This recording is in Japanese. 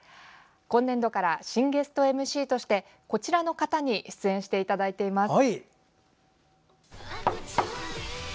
今年度から新ゲストＭＣとしてこちらの方に出演していただいています。